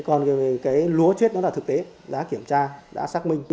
còn về cái lúa chết nó là thực tế đã kiểm tra đã xác minh